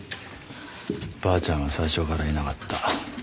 ばあちゃんは最初からいなかった。